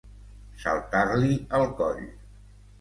Saltar-li al coll.